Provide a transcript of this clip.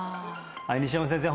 西山先生